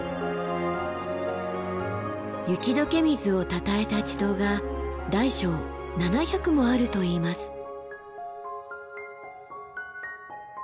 雪解け水をたたえた池塘が大小７００もあるといいます。